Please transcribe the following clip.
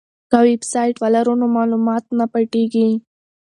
که ویبسایټ ولرو نو معلومات نه پټیږي.